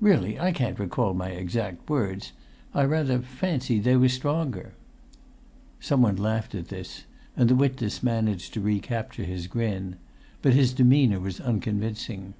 "Really I can't recall my exact words. I rather fancied they were stronger." Some one laughed at this, and the witness managed to recapture his grin; but his demeanour was unconvincing.